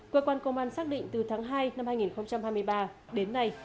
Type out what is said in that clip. cơ quan công an xác định từ tháng hai năm hai nghìn hai mươi ba đến nay